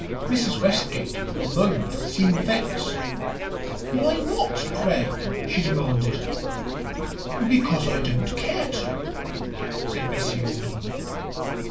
Mrs. Westgate for a moment seemed vexed. "Why not, pray?" she demanded. "Because I don't care to," said Bessie Alden.